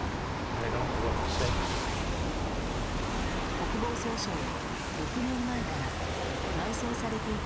国防総省は６年前から埋葬されていた